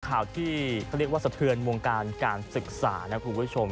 ข่าวที่เขาเรียกว่าสะเทือนวงการการศึกษานะคุณผู้ชม